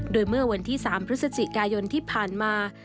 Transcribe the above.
โดยเมื่อวันที่๓พฤศจิกายนที่ผ่านมา